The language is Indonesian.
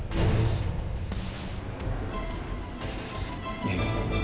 kamu pingsan tadi di rumah